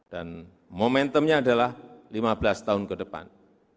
dan momentumnya adalah lima belas tahun ke depan